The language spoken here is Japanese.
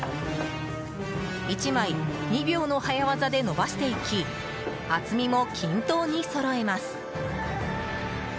１枚２秒の早技でのばしていき厚みも均等にそろえます。